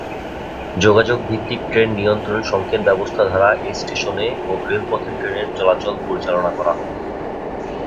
যোগাযোগ ভিত্তিক ট্রেন নিয়ন্ত্রণ সংকেত ব্যবস্থা দ্বারা এই স্টেশনে ও রেলপথে ট্রেনের চলাচল পরিচালনা করা হবে।